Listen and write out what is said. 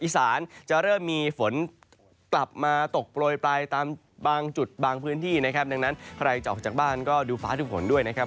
อีสานจะเริ่มมีฝนกลับมาตกโปรยปลายตามบางจุดบางพื้นที่นะครับดังนั้นใครจะออกจากบ้านก็ดูฟ้าดูฝนด้วยนะครับ